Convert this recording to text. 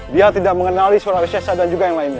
dia tidak mengenali suara resessa dan juga yang lainnya